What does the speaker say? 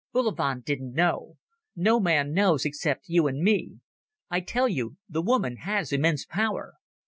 "Bullivant didn't know. No man knows except you and me. I tell you, the woman has immense power.